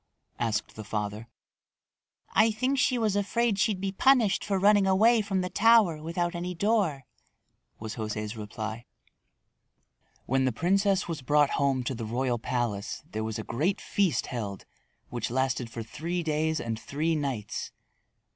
asked the father. "I think she was afraid she'd be punished for running away from the tower without any door," was José's reply. When the princess was brought home to the royal palace there was a great feast held which lasted for three days and three nights.